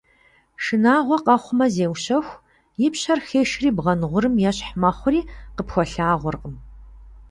Шынагъуэ къэхъумэ, зеущэху, и пщэр хешри бгъэн гъурым ещхь мэхъури, къыпхуэлъагъуркъым.